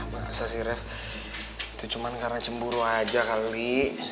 bahasa sih ref itu cuma karena cemburu aja kali